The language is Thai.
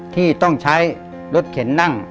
ที่ต้องใช้รถเข็นนั่ง